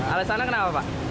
alasannya kenapa pak